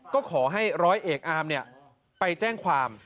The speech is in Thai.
ก็ขอให้ร้อยเอกอามไปแจ้งความ